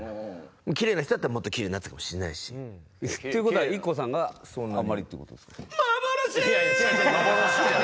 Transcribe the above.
きれいな人だったらもっときれいになったかもしれないし。という事はＩＫＫＯさんがあんまりっていう事ですか？